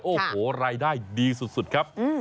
โอ้โหรายได้ดีสุดครับ